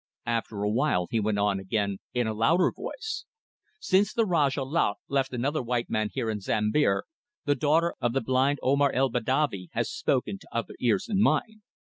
After awhile he went on again in a louder voice "Since the Rajah Laut left another white man here in Sambir, the daughter of the blind Omar el Badavi has spoken to other ears than mine."